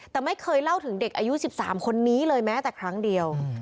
เหมือนเด็กอายุ๑๓คนนี้เลยแม้แต่ครั้งเดียว